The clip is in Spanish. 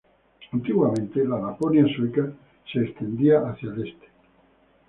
Antiguamente la Laponia sueca se extendía hacia el este.